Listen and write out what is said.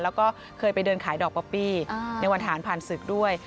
แล้วก็เคยไปเดินขายดอกป๊อปปี้ในวันฐานผ่านศึกด้วย